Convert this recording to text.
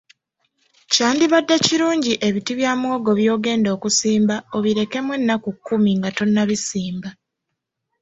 Kyandibadde kirungi ebiti bya muwogo by'ogenda okusimba obirekemu ennaku kkumi nga tonnabisimba.